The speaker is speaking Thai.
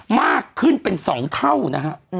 มากขึ้นเป็น๒เท่านะฮะ